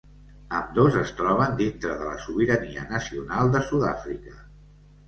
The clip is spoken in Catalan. Ambdós es troben dintre de la sobirania nacional de Sud-àfrica.